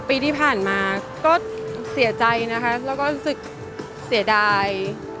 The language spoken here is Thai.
ปีที่ผ่านมาก็เสียใจนะคะแล้วก็รู้สึกเสียดาย